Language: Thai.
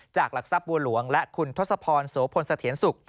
หลักทรัพย์บัวหลวงและคุณทศพรโสพลสะเทียนสุข